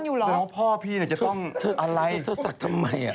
เซดงว่าพ่อพี่จะต้องอะไรเธอสักทำไม